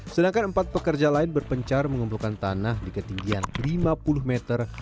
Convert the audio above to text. sedangkan empat pekerja lain berpencar mengumpulkan tanah di ketinggian lima puluh meter